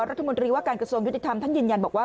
รัฐมนตรีว่าการกระทรวงยุติธรรมท่านยืนยันบอกว่า